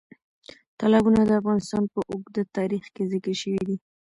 تالابونه د افغانستان په اوږده تاریخ کې ذکر شوی دی.